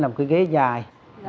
là một cái ghế dài